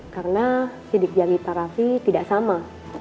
karena sidik jari pak rafi tidak sama